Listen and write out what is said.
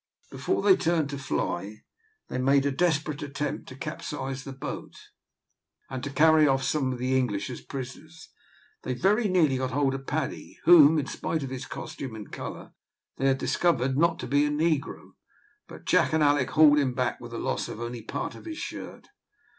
Before they turned to fly, they made a desperate attempt to capsize the boat, and to carry off some of the English as prisoners. They very nearly got hold of Paddy, whom, in spite of his costume and colour, they had discovered not to be a negro; but Jack and Alick hauled him back, with the loss only of part of his shirt.